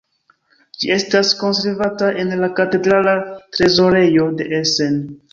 Ĝi estas konservata en la katedrala trezorejo de Essen.